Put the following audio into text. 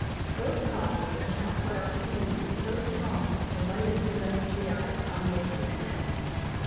Both causes account for our seeing them so strong if a light is presented to the eyes on waking at night.